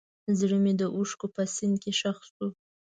زړه مې د اوښکو په سیند کې ښخ شو.